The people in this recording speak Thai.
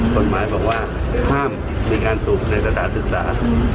กฎหมายบอกว่าห้ามมีการสูบในสถานศึกษา